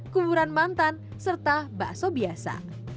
kuburan mantan serta bakso biasa